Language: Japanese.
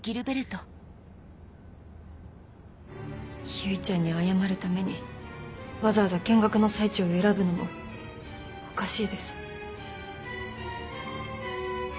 唯ちゃんに謝るためにわざわざ見学の最中を選ぶのもおかしいです。